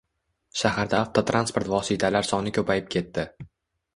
Shaharda avtotransport vositalar soni ko‘payib ketdi.